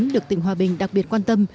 được tỉnh hòa bình đặc biệt quan tâm